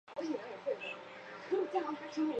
设定一坐标系。